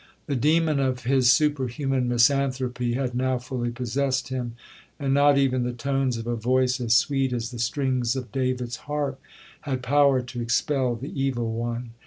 The demon of his superhuman misanthropy had now fully possessed him, and not even the tones of a voice as sweet as the strings of David's harp, had power to expel the evil one.